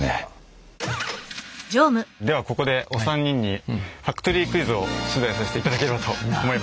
ではここでお三人にファクトリークイズを出題させていただければと思います。